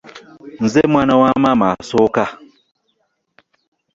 Ye nze mwana wa maama asooka.